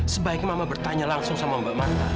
sebaiknya mama bertanya langsung sama mbak manta